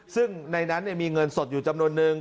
ซึ่งในนั้นมีเงินสดอยู่จำนวนนึง